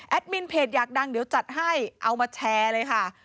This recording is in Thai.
มินเพจอยากดังเดี๋ยวจัดให้เอามาแชร์เลยค่ะ